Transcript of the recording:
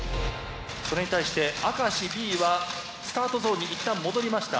それに対して明石Ｂはスタートゾーンに一旦戻りました。